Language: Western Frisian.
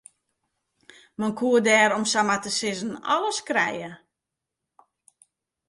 Men koe der om samar te sizzen alles krije.